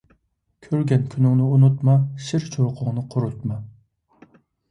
كۆرگەن كۈنۈڭنى ئۇنۇتما، شىرچۇرۇقۇڭنى قۇرۇتما.